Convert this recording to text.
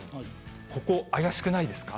ここ、怪しくないですか？